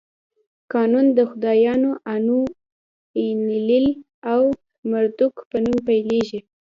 قانون د خدایانو آنو، اینلیل او مردوک په نوم پیلېږي.